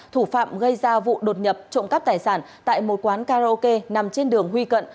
thủ phạm gây ra vụ đột nhập trộm cắp tài sản tại một quán karaoke nằm trên đường huy cận